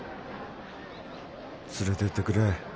連れてってくれ。